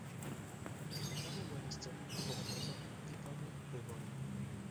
Manuel Ballester; y gobernador D. Pablo Gregori.